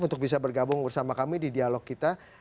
untuk bisa bergabung bersama kami di dialog kita